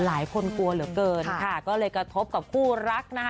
หลายคนกลัวเหลือเกินค่ะก็เลยกระทบกับคู่รักนะคะ